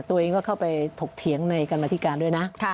ตัวเองก็เข้าไปถกเถียงในกรรมธิการด้วยนะ